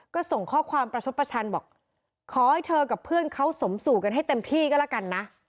ก็ส่งข้อความประชดประชันบอกขอให้เธอกับเพื่อนเขาสมสู่กันให้เต็มที่ก็แล้วกันนะ